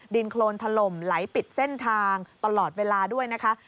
ดินโครนถล่มไหลปิดเส้นทางตลอดเวลาด้วยนะคะ